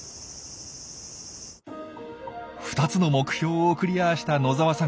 ２つの目標をクリアした野澤さん。